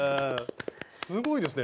すごいですね。